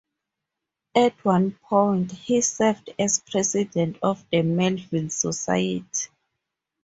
At one point, he served as president of the Melville Society.